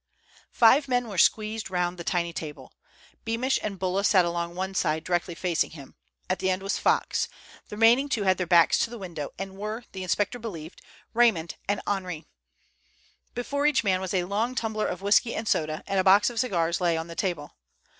Five men were squeezed round the tiny table. Beamish and Bulla sat along one side, directly facing him. At the end was Fox. The remaining two had their backs to the window, and were, the inspector believed, Raymond and Henri. Before each man was a long tumbler of whisky and soda, and a box of cigars lay on the table.